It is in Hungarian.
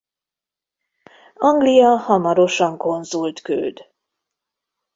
Anglia hamarosan konzult küld.